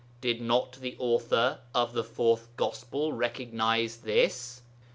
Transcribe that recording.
Did not the author of the Fourth Gospel recognize this?